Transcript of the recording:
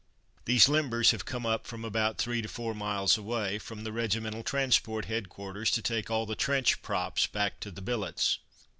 These limbers have come up from about three to four miles away, from the Regimental Transport headquarters, to take all the trench "props" back to the billets.